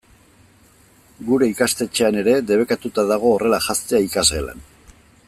Gure ikastetxean ere debekatuta dago horrela janztea ikasgelan.